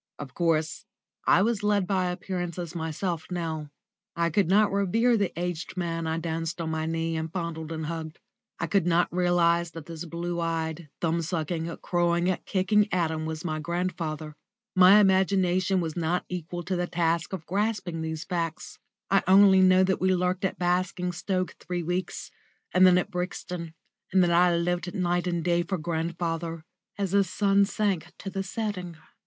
Of course, I was led by appearances myself now. I could not revere the aged man I danced on my knee and fondled and hugged. I could not realise that this blue eyed, thumb sucking, crowing, kicking atom was my grandfather. My imagination was not equal to the task of grasping these facts. I only know that we lurked at Basingstoke three weeks, and then at Brixton; and that I lived night and day for grandfather, as his sun sank to the setting.